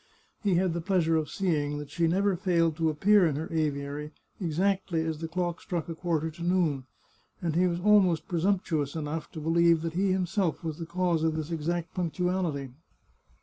He had the pleasure of seeing that she never failed to appear in her aviary exactly as the clock struck a quar ter to noon, and he was almost presumptuous enough to believe that he himself was the cause of this exact punctu ality.